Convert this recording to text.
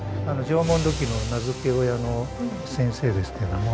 縄文土器の名付け親の先生ですけども。